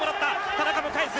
田中も返す」。